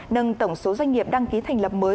nâng tổng số doanh nghiệp đăng ký thành lập mới